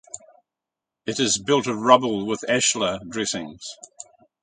It is built of rubble with ashlar dressings.